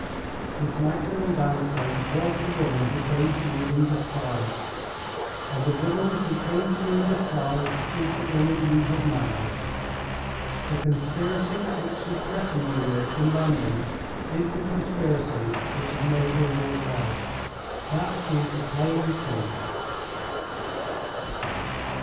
Miss Magdalen Vanstone was the woman who came to you in disguise; and the woman who came to you in disguise is the woman you have married. The conspiracy which she threatened you with in London is the conspiracy which has made her your wife. That is the plain truth.